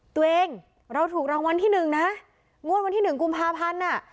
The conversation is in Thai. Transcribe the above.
ตัวเองเราถูกรางวัลที่หนึ่งนะงวดวันที่หนึ่งกุมภาพันธ์น่ะ